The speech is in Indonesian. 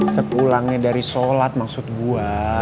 sepulangnya dari sholat maksud gue